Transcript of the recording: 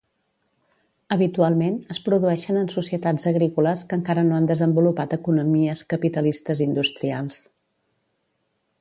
Habitualment es produeixen en societats agrícoles que encara no han desenvolupat economies capitalistes industrials.